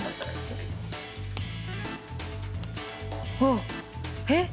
あっ！